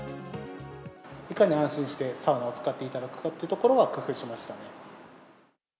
いかに安心してサウナを使っていただくかというところは工夫しましたね。